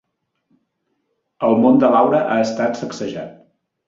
El món de Laura ha estat sacsejat.